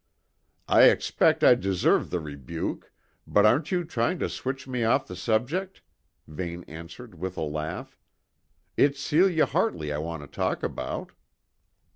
"I expect I deserve the rebuke, but aren't you trying to switch me off the subject?" Vane answered with a laugh. "It's Celia Hartley I want to talk about."